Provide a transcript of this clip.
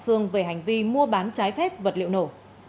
học xương về hành vi mua bán trái phép vật liệu nổ